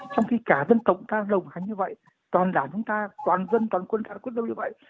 trong khi cả dân tộc ta đồng hành như vậy toàn đảng chúng ta toàn dân toàn quân ta cũng như vậy